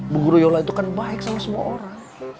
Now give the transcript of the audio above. bu guru yola itu kan baik sama semua orang